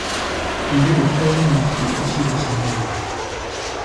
Il est le troisième enfant issu de ce mariage.